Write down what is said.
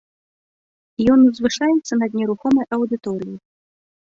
Ён узвышаецца над нерухомай аўдыторыяй.